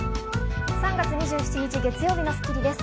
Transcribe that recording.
３月２７日、月曜日の『スッキリ』です。